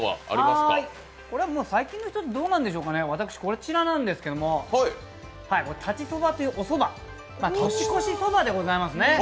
最近の人はどうなんでしょうね、私はこちらなんですが、裁ちそばというおそば、年越しそばでございますね。